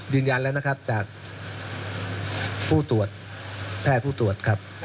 ยืนยันแล้วนะครับจากผู้ตรวจแพทย์ผู้ตรวจครับ